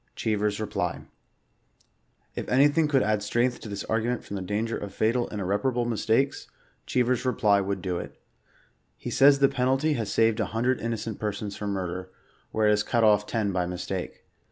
CREEVER^S REPtY. If anything could add strength to this argument frdmthe danger of fatal and irreparable mistakes, Cheever's reply would do it. He says the penalty has saved a hundred innocent persons from murder, where it has cut off ten by mistake.